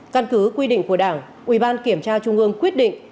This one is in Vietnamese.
căn cứ quy định của đảng ủy ban kiểm tra trung ương quyết định